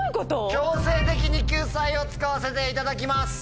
強制的に救済を使わせていただきます。